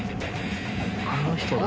あの人だ。